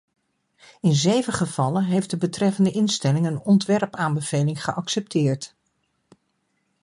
In zeven gevallen heeft de betreffende instelling een ontwerpaanbeveling geaccepteerd.